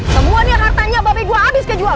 semua nih hartanya babi gue abis kejual